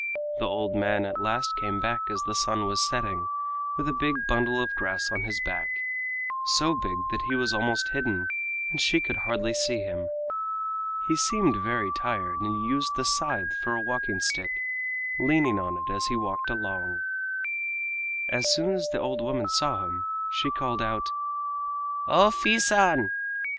The old man at last came back as the sun was setting, with a big bundle of grass on his back—so big that he was almost hidden and she could hardly see him. He seemed very tired and used the scythe for a walking stick, leaning on it as he walked along. As soon as the old woman saw him she called out: "O Fii San!